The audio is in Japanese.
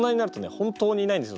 本当にいないんですよ